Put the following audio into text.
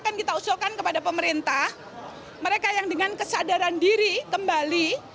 akan kita usulkan kepada pemerintah mereka yang dengan kesadaran diri kembali